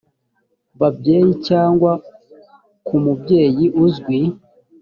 babyeyi cyangwa ku mubyeyi uzwi